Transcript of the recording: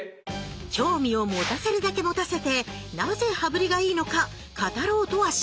興味を持たせるだけ持たせてなぜ羽振りがいいのか語ろうとはしない。